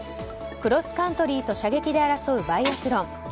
クロスカントリーと射撃で争うバイアスロン。